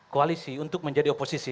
koalisi untuk menjadi oposisi